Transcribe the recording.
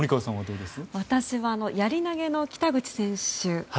私はやり投げの北口選手。